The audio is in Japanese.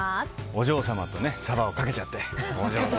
お嬢様とサバをかけちゃってね。